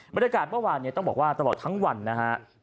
บรรยากาศเมื่อวานเนี่ยต้องบอกว่าตลอดทั้งวันนะฮะ